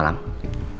halo pak selamat malam